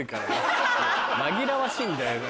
紛らわしいんだよな。